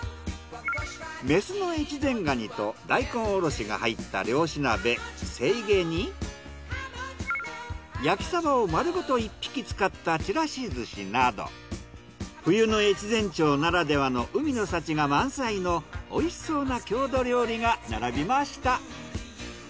メスの越前ガニと大根おろしが入った漁師鍋せいげに焼きサバを丸ごと１匹使ったちらし寿司など冬の越前町ならではの海の幸が満載の美味しそうな郷土料理が並びました。